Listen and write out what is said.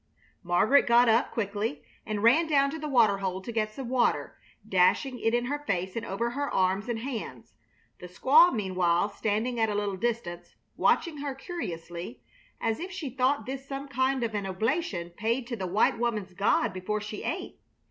Margaret got up quickly and ran down to the water hole to get some water, dashing it in her face and over her arms and hands, the squaw meanwhile standing at a little distance, watching her curiously, as if she thought this some kind of an oblation paid to the white woman's god before she ate.